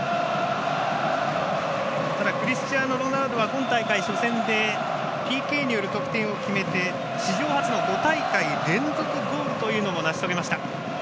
ただ、クリスチアーノ・ロナウド今大会初戦でＰＫによる得点を決めて史上初の５大会連続ゴールというのも成し遂げました。